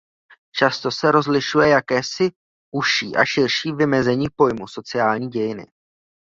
Často se rozlišuje jakési užší a širší vymezení pojmu sociální dějiny.